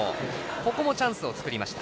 ここもチャンスを作りました。